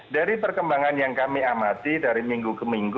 dari perkembangan yang kami amati dari minggu ke minggu